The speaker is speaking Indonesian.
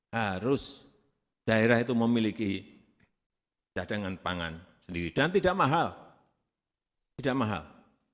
harus daerah itu memiliki cadangan pangan sendiri dan tidak mahal tidak mahal